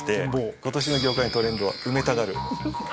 今年の業界のトレンドは「埋めたがる」。